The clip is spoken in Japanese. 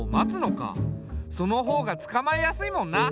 その方がつかまえやすいもんな。